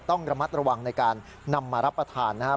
ต้องระมัดระวังในการนำมารับประทานนะครับ